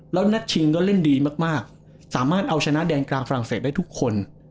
แล้วนัดชิงก็เล่นดีมากสามารถเอาชนะแดนกลางฝรั่งเศสได้ทุกคน